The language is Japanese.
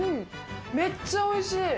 めっちゃおいしい。